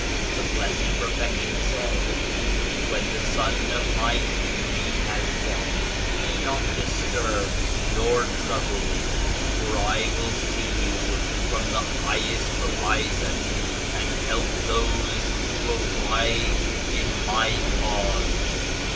The Blessed Perfection said *When the Sun of My Beauty has set be not disturbed nor troubled, for I will see you from the Highest Horizon and help those who arise in My Cause."